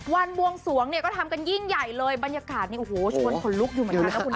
บวงสวงเนี่ยก็ทำกันยิ่งใหญ่เลยบรรยากาศเนี่ยโอ้โหชวนขนลุกอยู่เหมือนกันนะคุณนะ